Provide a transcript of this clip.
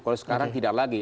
kalau sekarang tidak lagi